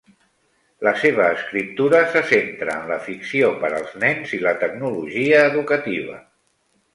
La seva escriptura se centra en la ficció per als nens i la tecnologia educativa.